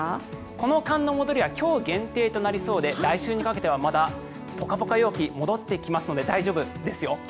この寒の戻りは今日限定となりそうで来週にかけてはポカポカ陽気が戻ってきますので大丈夫ですよ。